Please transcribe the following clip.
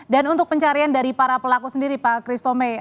dan untuk pencarian dari para pelaku sendiri pak kristome